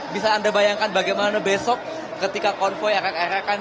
bisa anda bayangkan bagaimana besok ketika konvoy akan erekan